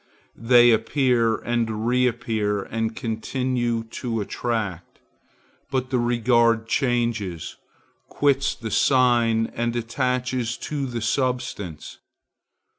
They appear and reappear and continue to attract; but the regard changes, quits the sign and attaches to the substance.